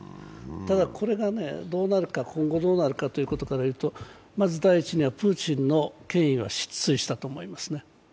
ただ、これが今後どうなるかというとまず第一にはプーチンの権威は失墜したと思いますね。